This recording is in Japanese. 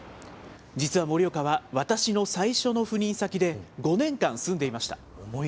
実は盛岡は私の最初の赴任先で、５年間住んでいました。